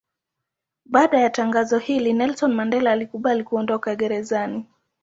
Baada ya tangazo hili Nelson Mandela alikubali kuondoka gerezani.